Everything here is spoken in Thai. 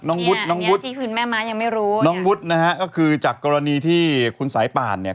น้องวุฒิน้องวุฒิน้องวุฒินะฮะก็คือจากกรณีที่คุณสายป่านเนี่ย